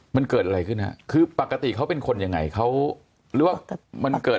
มันเกิดอะไรขึ้นครับคือปกติเขาเป็นคนยังไงเขามันเกิด